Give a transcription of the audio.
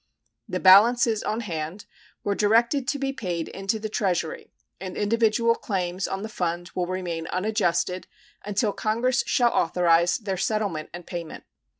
The balances on hand were directed to be paid into the Treasury, and individual claims on the fund will remain unadjusted until Congress shall authorize their settlement and payment.